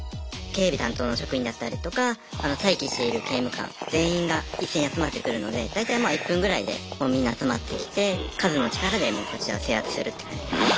警備担当の職員だったりとか待機している刑務官全員が一斉に集まってくるので大体まあ１分ぐらいでみんな集まってきて数の力でもうこちらを制圧するって感じです。